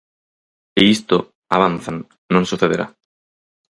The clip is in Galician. E isto, avanzan, non sucederá.